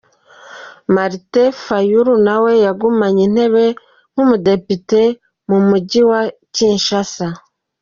Martin Fayulu nawe yagumanye intebe nk’umudepite mu mujyi wa Kinshasa.